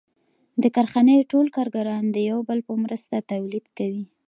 د کارخانې ټول کارګران د یو بل په مرسته تولید کوي